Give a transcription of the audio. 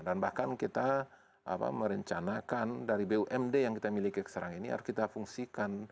dan bahkan kita merencanakan dari bumd yang kita miliki sekarang ini harus kita fungsikan